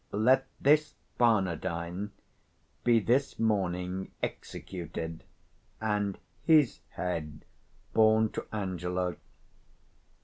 Let this Barnardine be this morning executed, and his head borne to Angelo.